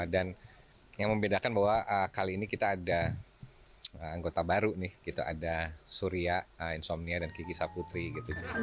dan yang membedakan bahwa kali ini kita ada anggota baru nih gitu ada surya insomnia dan kiki saputri gitu